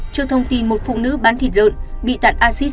trước thông tin một phụ nữ bán thịt lợn bị tạt acid